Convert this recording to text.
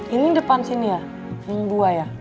ini depan sini ya dua ya